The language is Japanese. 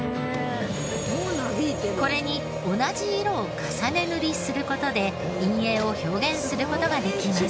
これに同じ色を重ね塗りする事で陰影を表現する事ができます。